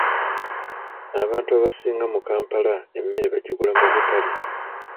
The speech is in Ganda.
Abantu abasinga mu Kampala emmere bagigula mu butale.